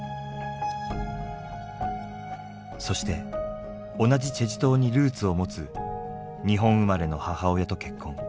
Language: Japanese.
そして同じ済州島にルーツを持つ日本生まれの母親と結婚。